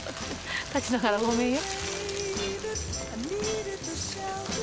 立ちながらごめんよ。